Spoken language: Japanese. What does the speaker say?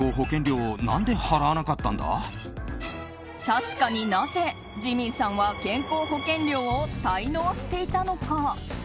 確かに、なぜジミンさんは健康保険料を滞納していたのか。